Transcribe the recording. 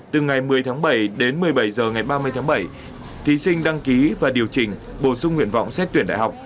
bảy đến một mươi bảy giờ ngày ba mươi tháng bảy thí sinh đăng ký và điều chỉnh bổ sung nguyện vọng xét tuyển đại học